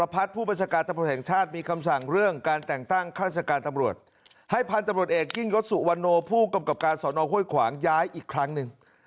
เพื่อให้ผู้กำกับการสอนอห้วยขวางย้ายอีกครั้งหนึ่ง